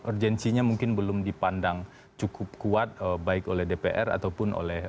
urgensinya mungkin belum dipandang cukup kuat baik oleh dpr ataupun oleh